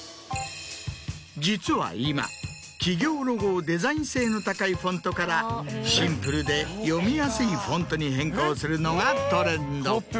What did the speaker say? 実は今企業ロゴをデザイン性の高いフォントからシンプルで読みやすいフォントに変更するのがトレンド。